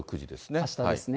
あしたですね。